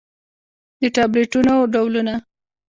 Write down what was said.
د ټابليټنو ډولونه: